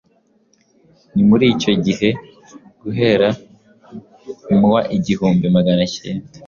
Ni muri icyo gihe, guhera mu wa igihumbi Magana cyenda